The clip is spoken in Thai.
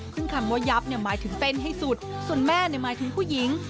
ซึ่งคำว่ายับเนี่ยหมายถึงเต้นให้สุดส่วนแม่หมายถึงผู้หญิง